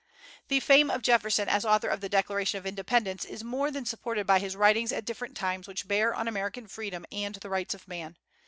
The fame of Jefferson as author of the Declaration of Independence is more than supported by his writings at different times which bear on American freedom and the rights of man.